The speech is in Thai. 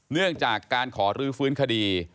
เนื่องจากการขอรื้อฟื้นคดี